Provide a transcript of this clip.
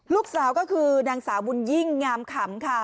ลูกสาวก็คือนางสาวบุญยิ่งงามขำค่ะ